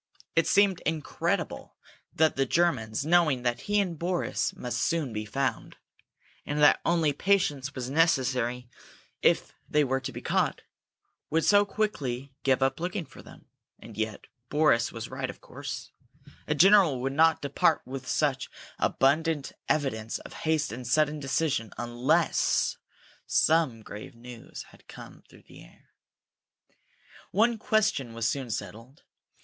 It seemed incredible that the Germans, knowing that he and Boris must soon be found, and that only patience was necessary if they were to be caught, would so quickly give up looking for them. And yet Boris was right, of course. A general would not depart with such abundant evidence of haste and sudden decision unless some grave news had come through the air. One question was soon settled.